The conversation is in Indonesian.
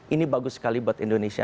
ini bagus sekali buat indonesia